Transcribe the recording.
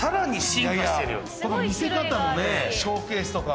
この見せ方もねショーケースとか。